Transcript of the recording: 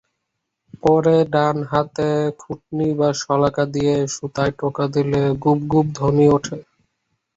পরে ডান হাতে খুটনি বা শলাকা দিয়ে সুতায় টোকা দিলে গুবগুব ধ্বনি ওঠে।